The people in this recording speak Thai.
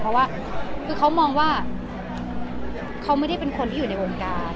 เพราะว่าคือเขามองว่าเขาไม่ได้เป็นคนที่อยู่ในวงการ